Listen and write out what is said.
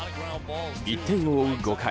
１点を追う５回。